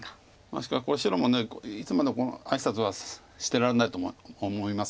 しかしこれ白もいつまでも挨拶はしてられないと思います。